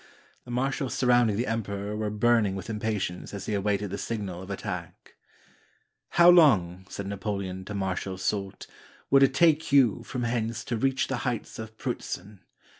The marshals surrounding the emperor were burning with impatience as they awaited the signal of attack. "How long," said Napoleon to Marshal Soult, "would it take you, from hence, to reach the heights of Prutzen?"